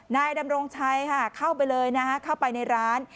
นายดำรงชัยเข้าไปเลยเข้าไปในร้าน